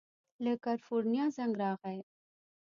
له کلیفورنیا زنګ راغی.